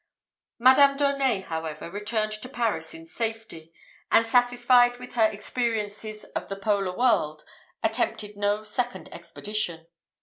Madame d'Aunet, however, returned to Paris in safety, and satisfied with her experiences of the Polar world, attempted no second expedition.